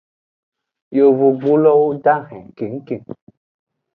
Yovogbulowo dahen kengkeng.